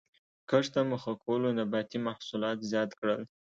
کښت ته مخه کولو نباتي محصولات زیات کړل